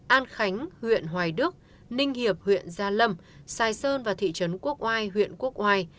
an khánh huyện hoài đức ninh hiệp huyện gia lâm sài sơn và thị trấn quốc oai huyện quốc oai